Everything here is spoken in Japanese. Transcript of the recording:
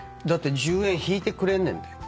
だって１０円引いてくれんねんで。